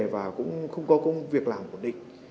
và cũng không có công việc làm của địch